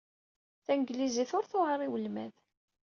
Tanglizit ur tewɛiṛ i welmad.